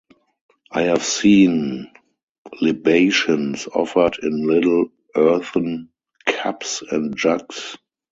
I have seen libations offered in little earthen cups and jugs.